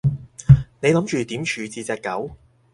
你諗住點處置隻狗？